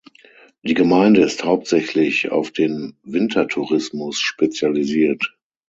Die Gemeinde ist hauptsächlich auf den Wintertourismus spezialisiert.